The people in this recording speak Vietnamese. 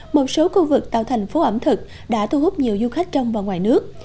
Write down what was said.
một số khu vực tạo thành phố ẩm thực đã thu hút nhiều du khách trong và ngoài nước